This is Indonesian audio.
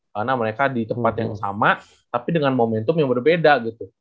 karena mereka di tempat yang sama tapi dengan momentum yang berbeda gitu